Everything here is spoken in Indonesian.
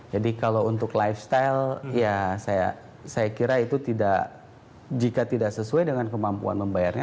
jadi kalau untuk lifestyle saya kira itu tidak jika tidak sesuai dengan kemampuan membayarnya